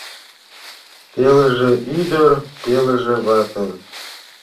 Пелыже ӱдыр, пелыже вате: